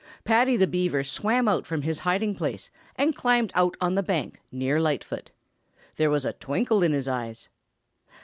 Paddy the Beaver swam out from his hiding place and climbed out on the bank near Lightfoot. There was a twinkle in his eyes.